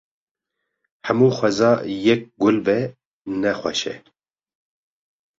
Hemû xweza yek gul be ne xweş e.